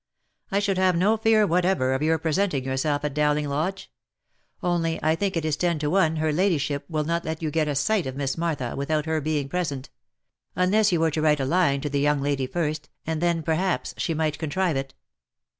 I should have no fear whatever, of your presenting yourself at Dowling Lodge ; only I think it is ten to one her ladyship will not let you get a sight of Miss Martha without her being present, — unless you were to write a line to the young lady first, and then perhaps she might contrive it."